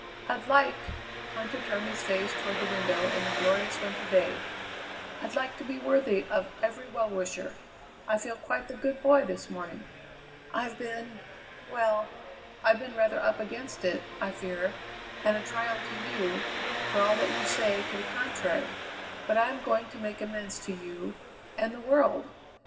"I'd like" Huntter turned his face toward the window and the glorious winter day "I'd like to be worthy of every well wisher. I feel quite the good boy this morning. I've been well, I've been rather up against it, I fear, and a trial to you, for all that you say to the contrary; but I am going to make amends to you and the world!